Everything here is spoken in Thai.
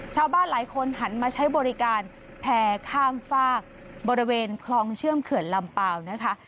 ชาวบ้านหลายคนหันมาใช้บริการแพร่ข้ามฝากบริเวณคลองเชื่อมเขื่อนลำเปล่านะคะ